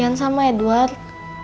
bukan sama edward